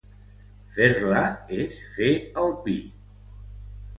Fer-la és fer el pi.